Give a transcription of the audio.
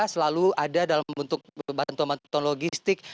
selalu ada dalam bentuk bantuan bantuan logistik